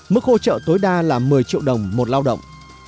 mức hỗ trợ tối đa là một mươi triệu đồng một lao động